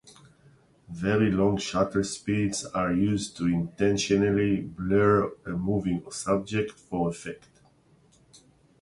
Very long shutter speeds are used to intentionally blur a moving subject for effect.